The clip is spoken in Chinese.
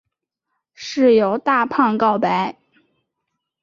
室友大胖告白。